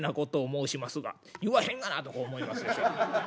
言わへんがなと思いますでしょ。